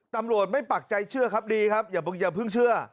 ตำรวจไม่ปักใจเชื่อครับดีครับอย่าเพิ่งเชื่อ